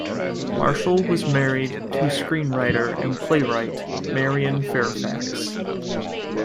Marshall was married to screenwriter and playwright Marion Fairfax.